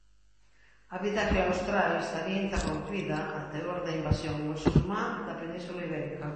A vida claustral estaría interrompida a teor da invasión musulmá da Península Ibérica.